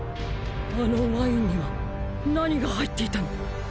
あのワインには何が入っていたの？